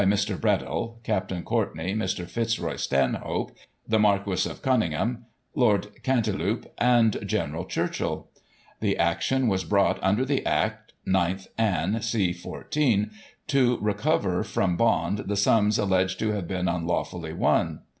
[1842 Mr, Bredall, Capt. Courtney, Mr. Fitzroy Stanhope, the Mar quis of Conyngham, Lord Cantelupe and General Churchill. The action was brought under the Act 9th Anne, c 14, to recover from Bond the sums alleged to have been unlawfully won.